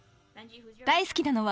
大好きなのは？